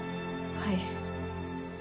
はい。